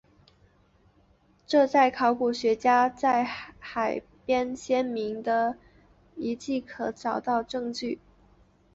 这在考古学家在海边先民的遗迹可以找到证据。